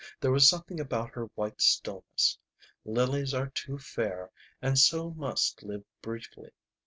There was something about her white stilliness. Lilies are too fair and so must live briefly.